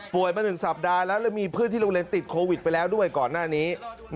มา๑สัปดาห์แล้วแล้วมีเพื่อนที่โรงเรียนติดโควิดไปแล้วด้วยก่อนหน้านี้